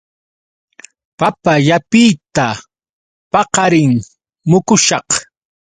Papa llapita paqarin mukushaq.